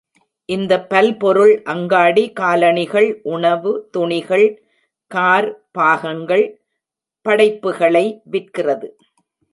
இந்த பல்பொருள் அங்காடி காலணிகள், உணவு, துணிகளை, கார் பாகங்கள் ... படைப்புகளை விற்கிறது.